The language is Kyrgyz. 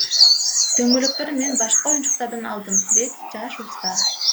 Дөңгөлөктөрүн мен башка оюнчуктардан алдым, — дейт жаш уста.